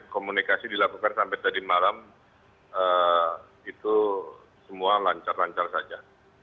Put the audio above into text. komunikasi dilakukan sampai tadi malam itu semua lancar lancar saja